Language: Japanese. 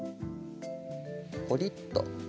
ポリッと。